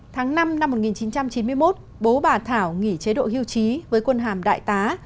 tháng năm năm một nghìn chín trăm chín mươi một bố bà thảo nghỉ chế độ hưu trí với quân hàm đại tá